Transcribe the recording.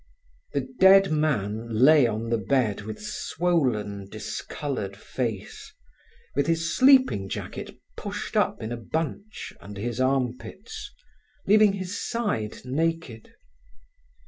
The dead man lay on the bed with swollen, discoloured face, with his sleeping jacket pushed up in a bunch under his armpits, leaving his side naked.